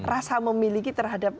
rasa memiliki terhadap